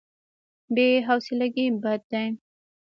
بې حوصلګي بد دی.